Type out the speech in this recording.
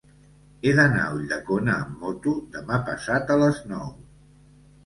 He d'anar a Ulldecona amb moto demà passat a les nou.